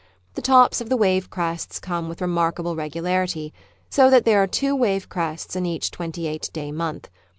The tops of the wave crests come with remarkable regularity, so that there are two wave crests in each twenty eight day month.